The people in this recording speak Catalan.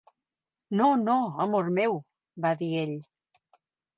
"No, no, amor meu", va dir ell.